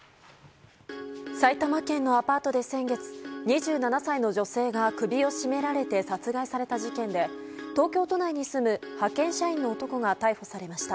埼玉県のアパートで先月２７歳の女性が首を絞められて殺害された事件で東京都内に住む派遣社員の男が逮捕されました。